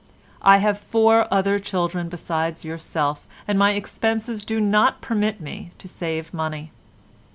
I have four other children besides yourself, and my expenses do not permit me to save money.